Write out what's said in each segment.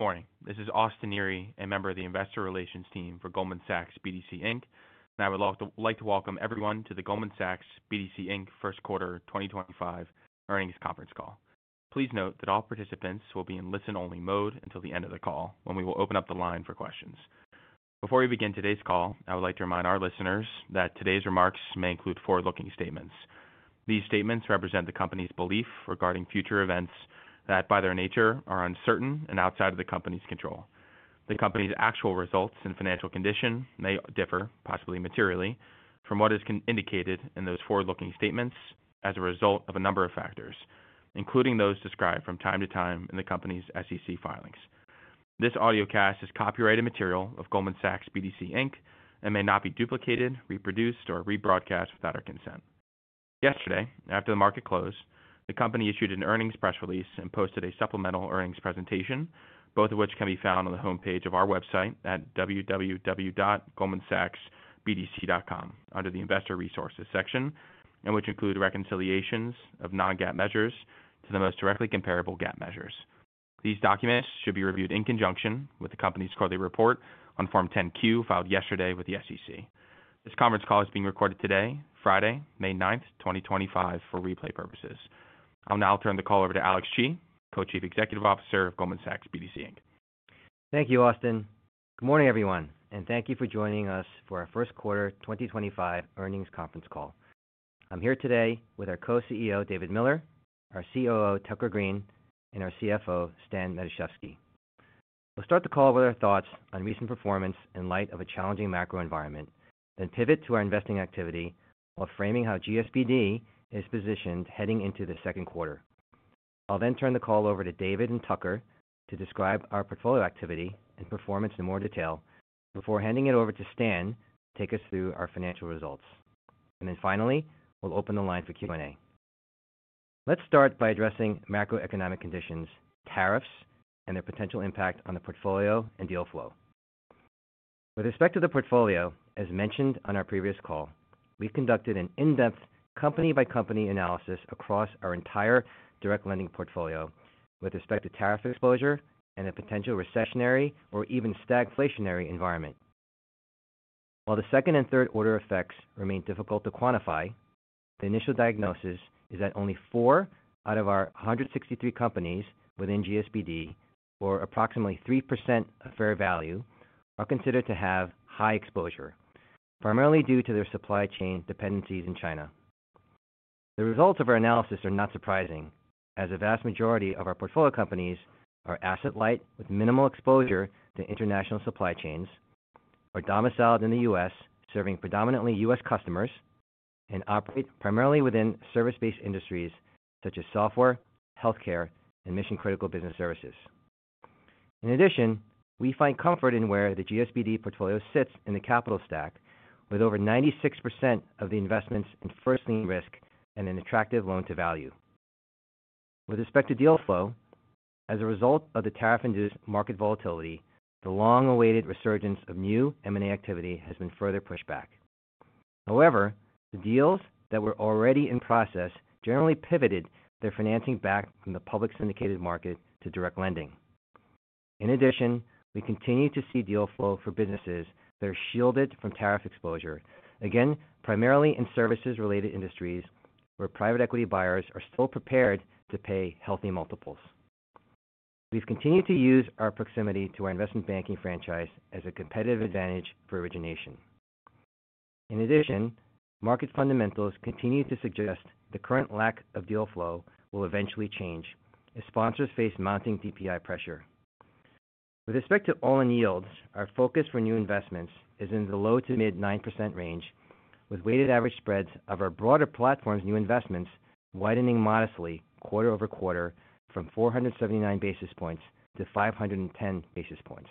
Good morning. This is Austin Neri, a member of the investor relations team for Goldman Sachs BDC, and I would like to welcome everyone to the Goldman Sachs BDC first quarter 2025 earnings conference call. Please note that all participants will be in listen-only mode until the end of the call, when we will open up the line for questions. Before we begin today's call, I would like to remind our listeners that today's remarks may include forward-looking statements. These statements represent the company's belief regarding future events that, by their nature, are uncertain and outside of the company's control. The company's actual results and financial condition may differ, possibly materially, from what is indicated in those forward-looking statements as a result of a number of factors, including those described from time to time in the company's SEC filings. This audio cast is copyrighted material of Goldman Sachs BDC Inc and may not be duplicated, reproduced, or rebroadcast without our consent. Yesterday, after the market closed, the company issued an earnings press release and posted a supplemental earnings presentation, both of which can be found on the homepage of our website at www.goldmansachsbdc.com under the investor resources section, and which include reconciliations of non-GAAP measures to the most directly comparable GAAP measures. These documents should be reviewed in conjunction with the company's quarterly report on Form 10-Q filed yesterday with the SEC. This conference call is being recorded today, Friday, May 9th, 2025, for replay purposes. I'll now turn the call over to Alex Chi, Co-Chief Executive Officer of Goldman Sachs BDC. Thank you, Austin. Good morning, everyone, and thank you for joining us for our first quarter 2025 earnings conference call. I'm here today with our Co-CEO, David Miller, our COO, Tucker Greene, and our CFO, Stan Matuszewski. We'll start the call with our thoughts on recent performance in light of a challenging macro environment, then pivot to our investing activity while framing how GSBD is positioned heading into the second quarter. I'll then turn the call over to David and Tucker to describe our portfolio activity and performance in more detail before handing it over to Stan to take us through our financial results. Finally, we'll open the line for Q&A. Let's start by addressing macroeconomic conditions, tariffs, and their potential impact on the portfolio and deal flow. With respect to the portfolio, as mentioned on our previous call, we've conducted an in-depth company-by-company analysis across our entire direct lending portfolio with respect to Tariff exposure and a potential recessionary or even stagflationary environment. While the second and third order effects remain difficult to quantify, the initial diagnosis is that only four out of our 163 companies within GSBD, or approximately 3% of fair value, are considered to have high exposure, primarily due to their supply chain dependencies in China. The results of our analysis are not surprising, as a vast majority of our portfolio companies are asset-light with minimal exposure to international supply chains, are domiciled in the U.S. serving predominantly U.S. customers, and operate primarily within service-based industries such as software, healthcare, and mission-critical business services. In addition, we find comfort in where the GSBD portfolio sits in the Capital stack, with over 96% of the investments in first-line risk and an attractive Loan-to-value. With respect to deal flow, as a result of the tariff-induced market volatility, the long-awaited resurgence of new M&A activity has been further pushed back. However, the deals that were already in process generally pivoted their financing back from the public syndicated market to direct lending. In addition, we continue to see deal flow for businesses that are shielded from Tariff exposure, again, primarily in services-related industries where private equity buyers are still prepared to pay healthy multiples. We've continued to use our proximity to our investment banking franchise as a competitive advantage for origination. In addition, market fundamentals continue to suggest the current lack of deal flow will eventually change as sponsors face mounting DPI pressure. With respect to all-in yields, our focus for new investments is in the low to mid-9% range, with weighted average spreads of our broader platform's new investments widening modestly quarter over quarter from 479 basis points to 510 basis points.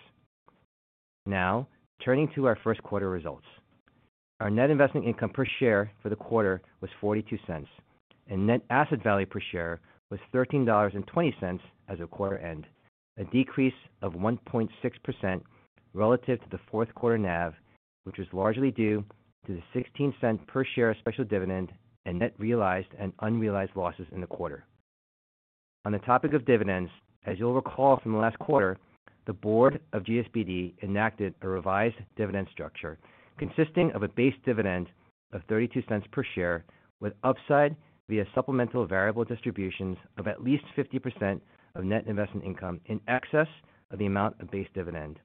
Now, turning to our first quarter results. Our net investment income per share for the quarter was $0.42, and net asset value per share was $13.20 as of quarter end, a decrease of 1.6% relative to the fourth quarter NAV, which was largely due to the $0.16 per share special dividend and net realized and unrealized losses in the quarter. On the topic of dividends, as you'll recall from the last quarter, the board of GSBD enacted a revised dividend structure consisting of a base dividend of $0.32 per share with upside via supplemental variable distributions of at least 50% of net investment income in excess of the amount of base dividend,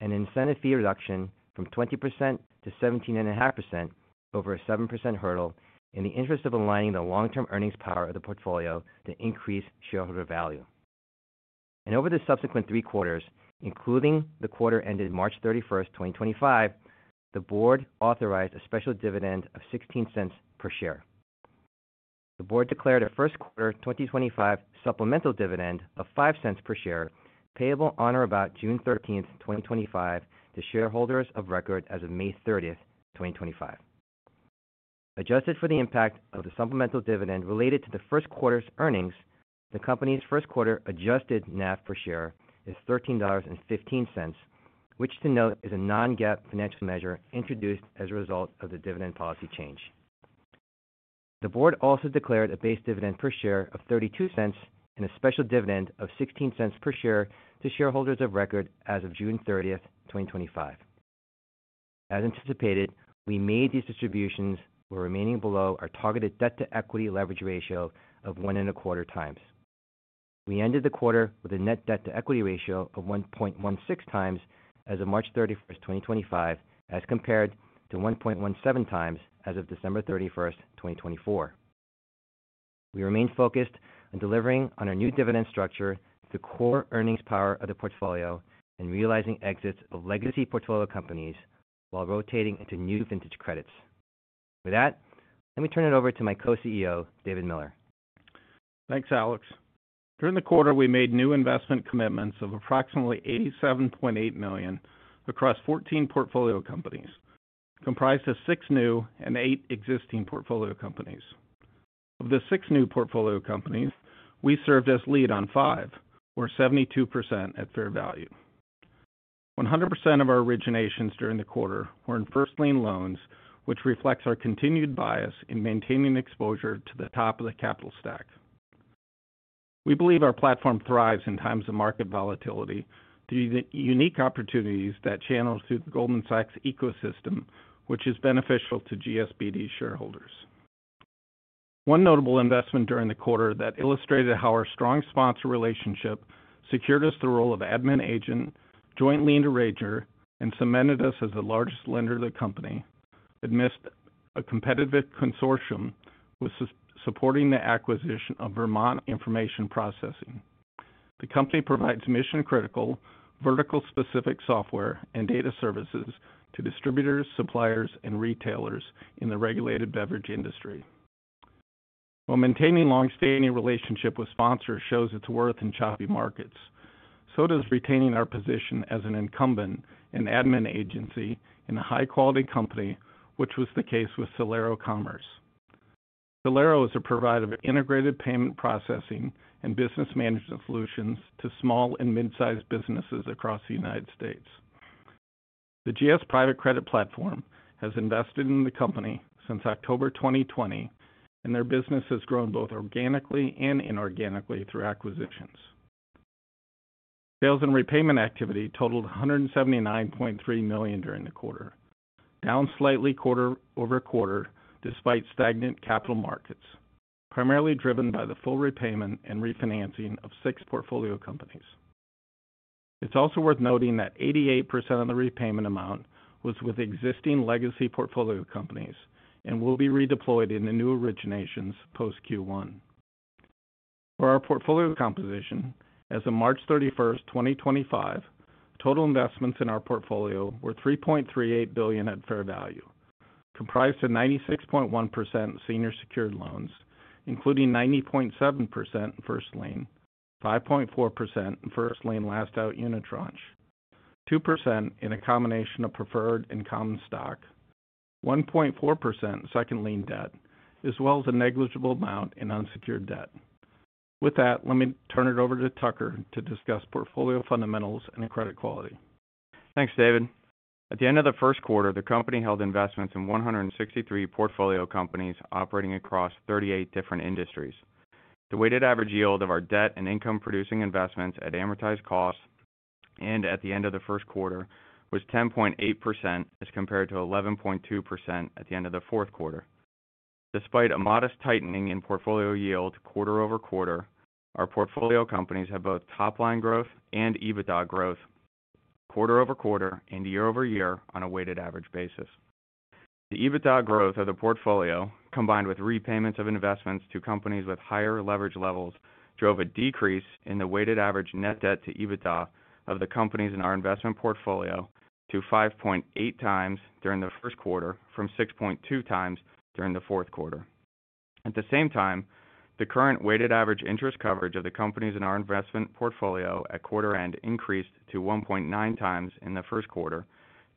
an Incentive fee reduction from 20% to 17.5% over a 7% hurdle in the interest of aligning the long-term earnings power of the portfolio to increase shareholder value. Over the subsequent three quarters, including the quarter ended March 31st, 2025, the board authorized a special dividend of $0.16 per share. The board declared a first quarter 2025 supplemental dividend of $0.05 per share payable on or about June 13, 2025, to shareholders of record as of May 30, 2025. Adjusted for the impact of the supplemental dividend related to the first quarter's earnings, the company's first quarter Adjusted NAV per share is $13.15, which, to note, is a non-GAAP financial measure introduced as a result of the dividend policy change. The board also declared a base dividend per share of $0.32 and a special dividend of $0.16 per share to shareholders of record as of June 30th, 2025. As anticipated, we made these distributions while remaining below our targeted debt-to-equity leverage ratio of one and a quarter times. We ended the quarter with a net debt-to-equity ratio of 1.16 times as of March 31st, 2025, as compared to 1.17 times as of December 31st, 2024. We remain focused on delivering on our new dividend structure, the core earnings power of the portfolio, and realizing exits of legacy portfolio companies while rotating into new vintage credits. With that, let me turn it over to my Co-CEO, David Miller. Thanks, Alex. During the quarter, we made new investment commitments of approximately $87.8 million across 14 portfolio companies, comprised of six new and eight existing portfolio companies. Of the six new portfolio companies, we served as lead on five, or 72% at fair value. 100% of our originations during the quarter were in first-line loans, which reflects our continued bias in maintaining exposure to the top of the Capital stack. We believe our platform thrives in times of market volatility through the unique opportunities that channel through the Goldman Sachs ecosystem, which is beneficial to GSBD shareholders. One notable investment during the quarter that illustrated how our strong sponsor relationship secured us the role of admin agent, joint lien arranger, and cemented us as the largest lender of the company amidst a competitive consortium supporting the acquisition of Vermont Information Processing.The company provides mission-critical vertical-specific software and data services to distributors, suppliers, and retailers in the regulated beverage industry. While maintaining long-standing relationships with sponsors shows its worth in choppy markets, so does retaining our position as an incumbent and admin agency in a high-quality company, which was the case with Solaro Commerce. Solaro is a provider of integrated payment processing and business management solutions to small and mid-sized businesses across the United States. The GS Private Credit Platform has invested in the company since October 2020, and their business has grown both organically and inorganically through acquisitions. Sales and repayment activity totaled $179.3 million during the quarter, down slightly quarter over quarter despite stagnant capital markets, primarily driven by the full repayment and refinancing of six portfolio companies. It's also worth noting that 88% of the repayment amount was with existing legacy portfolio companies and will be redeployed into new originations post Q1. For our portfolio composition, as of March 31st, 2025, total investments in our portfolio were $3.38 billion at fair value, comprised of 96.1% senior secured loans, including 90.7% in first-line, 5.4% in first-line last-out unit tranche, 2% in a combination of preferred and common stock, 1.4% in second-line debt, as well as a negligible amount in unsecured debt. With that, let me turn it over to Tucker to discuss portfolio fundamentals and credit quality. Thanks, David. At the end of the first quarter, the company held investments in 163 portfolio companies operating across 38 different industries. The Weighted average yield of our debt and income-producing investments at amortized cost and at the end of the first quarter was 10.8% as compared to 11.2% at the end of the fourth quarter. Despite a modest tightening in portfolio yield quarter over quarter, our portfolio companies have both top-line growth and EBITDA growth quarter over quarter and year over year on a weighted average basis. The EBITDA growth of the portfolio, combined with repayments of investments to companies with higher leverage levels, Drove a decrease in the weighted average net debt to EBITDA of the companies in our investment portfolio to 5.8 times during the first quarter from 6.2 times during the fourth quarter. At the same time, the current weighted average interest coverage of the companies in our investment portfolio at quarter end increased to 1.9 times in the first quarter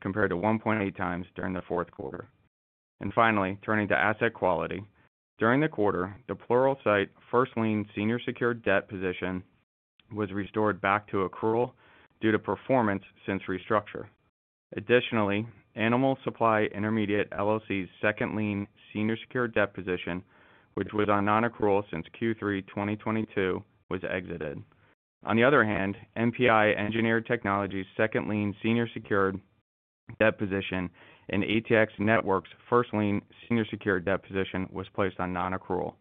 compared to 1.8 times during the fourth quarter. Finally, turning to asset quality, during the quarter, the Plural Site first-line senior secured debt position was restored back to accrual due to performance since restructure. Additionally, Animal Supply Intermediate's second-line senior secured debt position, which was on non-accrual since Q3, 2022, was exited. On the other hand, MPI Engineered Technology's second-line senior secured debt position and ATX Networks' first-line senior secured debt position was placed on non-accrual.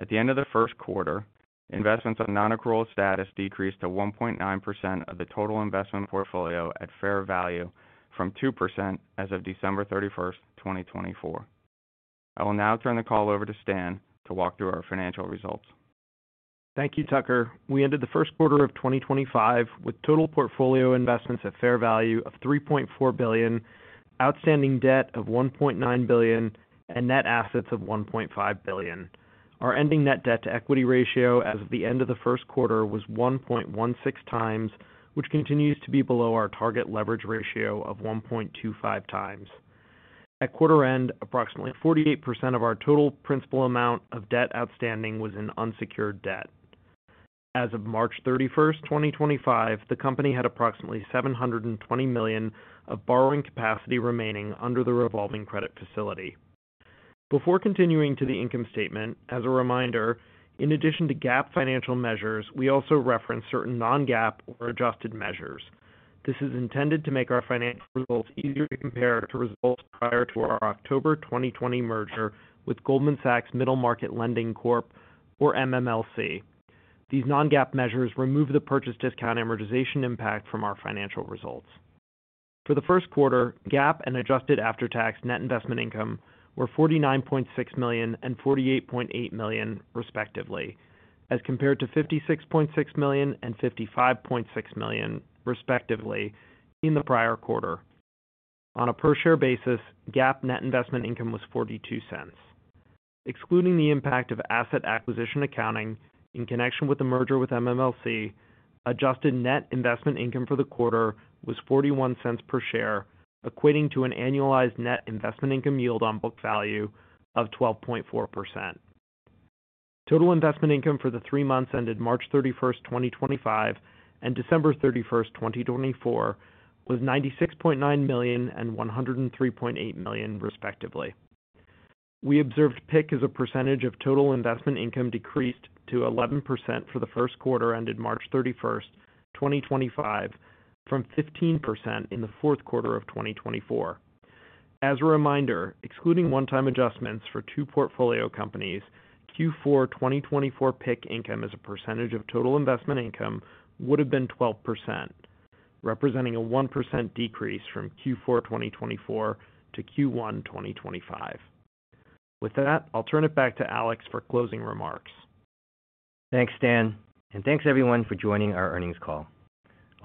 At the end of the first quarter, investments on non-accrual status decreased to 1.9% of the total investment portfolio at fair value from 2% as of December 31, 2024. I will now turn the call over to Stan to walk through our financial results. Thank you, Tucker. We ended the first quarter of 2025 with total portfolio investments at fair value of $3.4 billion, outstanding debt of $1.9 billion, and net assets of $1.5 billion. Our ending net debt to equity ratio as of the end of the first quarter was 1.16 times, which continues to be below our target leverage ratio of 1.25 times. At quarter end, approximately 48% of our total principal amount of debt outstanding was in unsecured debt. As of March 31, 2025, the company had approximately $720 million of borrowing capacity remaining under the revolving credit facility. Before continuing to the income statement, as a reminder, in addition to GAAP financial measures, we also reference certain non-GAAP or adjusted measures. This is intended to make our financial results easier to compare to results prior to our October 2020 merger with Goldman Sachs Middle Market Lending Corp, or MMLC.These non-GAAP measures remove the purchase discount amortization impact from our financial results. For the first quarter, GAAP and adjusted after-tax net investment income were $49.6 million and $48.8 million, respectively, as compared to $56.6 million and $55.6 million, respectively, in the prior quarter. On a per-share basis, GAAP net investment income was $0.42. Excluding the impact of asset acquisition accounting in connection with the merger with MMLC, adjusted net investment income for the quarter was $0.41 per share, equating to an annualized net investment income yield on book value of 12.4%. Total investment income for the three months ended March 31st, 2025, and December 31st, 2024, was $96.9 million and $103.8 million, respectively. We observed PIK as a percentage of total investment income decreased to 11% for the first quarter ended March 31st, 2025, from 15% in the fourth quarter of 2024.As a reminder, excluding one-time adjustments for two portfolio companies, Q4 2024 PIK income as a percentage of total investment income would have been 12%, representing a 1% decrease from Q4 2024 to Q1 2025. With that, I'll turn it back to Alex for closing remarks. Thanks, Stan, and thanks everyone for joining our earnings call.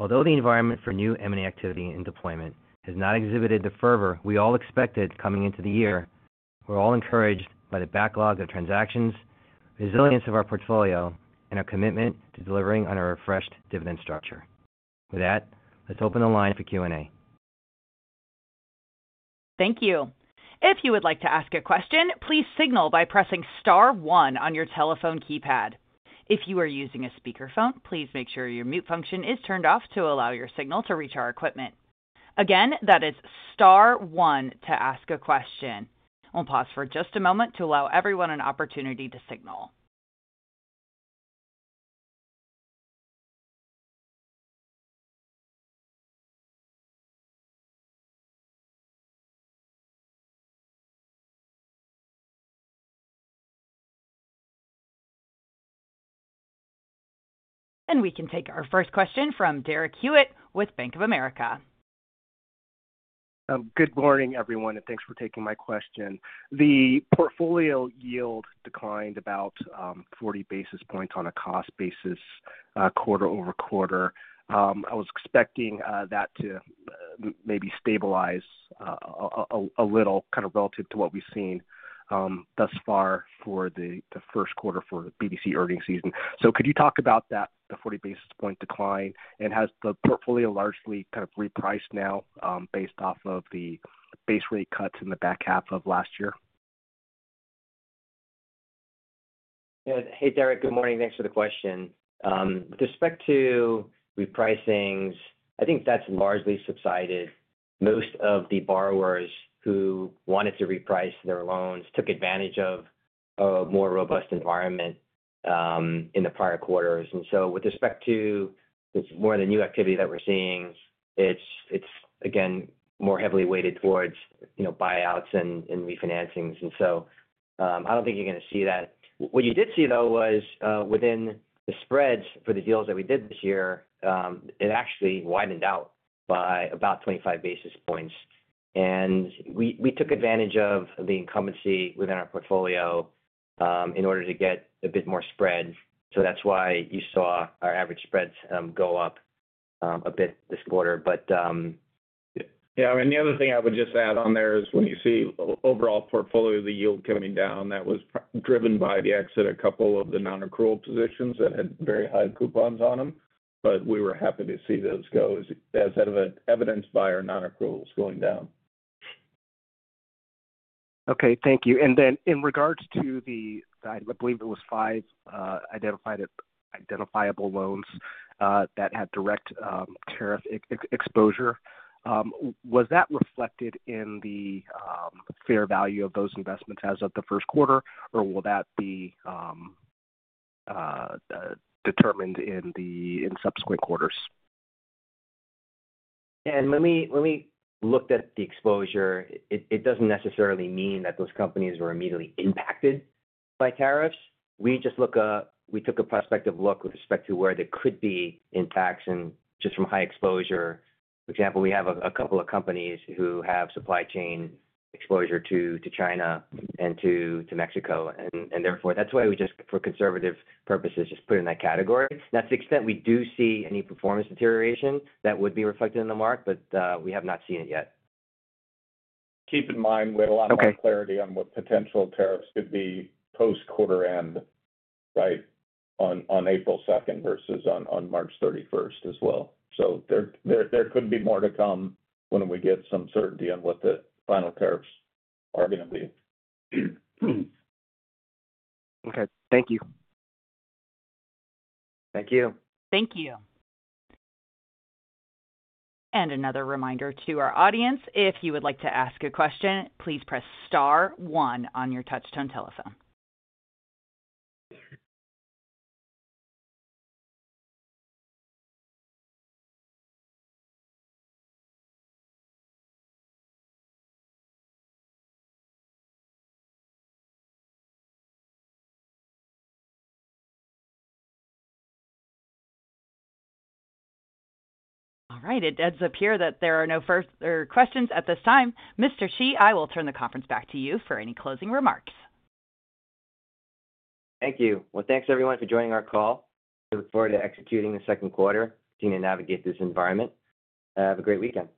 Although the environment for new M&A activity and deployment has not exhibited the fervor we all expected coming into the year, we're all encouraged by the backlog of transactions, resilience of our portfolio, and our commitment to delivering on a refreshed dividend structure. With that, let's open the line for Q&A. Thank you. If you would like to ask a question, please signal by pressing Star one on your telephone keypad. If you are using a speakerphone, please make sure your mute function is turned off to allow your signal to reach our equipment. Again, that is Star one to ask a question. We'll pause for just a moment to allow everyone an opportunity to signal. We can take our first question from Derek Hewett with Bank of America. Good morning, everyone, and thanks for taking my question. The portfolio yield declined about 40 basis points on a cost basis quarter over quarter. I was expecting that to maybe stabilize a little kind of relative to what we've seen thus far for the first quarter for the BDC earnings season. Could you talk about that, the 40 basis point decline, and has the portfolio largely kind of repriced now based off of the base rate cuts in the back half of last year? Hey, Derek, good morning. Thanks for the question. With respect to repricings, I think that's largely subsided. Most of the borrowers who wanted to reprice their loans took advantage of a more robust environment in the prior quarters. With respect to more of the new activity that we're seeing, it's again more heavily weighted towards buyouts and refinancings. I don't think you're going to see that. What you did see, though, was within the spreads for the deals that we did this year, it actually widened out by about 25 basis points. We took advantage of the incumbency within our portfolio in order to get a bit more spread. That's why you saw our average spreads go up a bit this quarter. Yeah. The other thing I would just add on there is when you see overall portfolio yield coming down, that was driven by the exit of a couple of the non-accrual positions that had very high coupons on them. We were happy to see those go as evidenced by our non-accruals going down. Okay. Thank you. In regards to the, I believe it was five identifiable loans that had direct Tariff exposure, was that reflected in the fair value of those investments as of the first quarter, or will that be determined in subsequent quarters? Let me look at the exposure. It doesn't necessarily mean that those companies were immediately impacted by tariffs. We took a prospective look with respect to where they could be in tax and just from high exposure. For example, we have a couple of companies who have supply chain exposure to China and to Mexico. Therefore, that's why we just, for conservative purposes, just put it in that category. That's the extent. We do see any performance deterioration that would be reflected in the mark, but we have not seen it yet. Keep in mind we have a lot more clarity on what potential tariffs could be post quarter end, right, on April 2nd versus on March 31st as well. There could be more to come when we get some certainty on what the final tariffs are going to be. Okay. Thank you. Thank you. Thank you. Another reminder to our audience, if you would like to ask a question, please press Star one on your touchtone telephone. All right. It does appear that there are no further questions at this time. Mr. Chi, I will turn the conference back to you for any closing remarks. Thank you. Thanks everyone for joining our call. We look forward to executing the second quarter to navigate this environment. Have a great weekend.